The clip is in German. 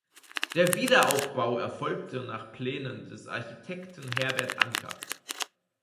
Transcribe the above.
Der Wiederaufbau erfolgte nach Plänen des Architekten Herbert Anker.